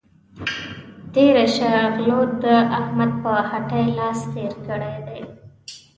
تېره شه غلو د احمد پر هټۍ لاس تېر کړی دی.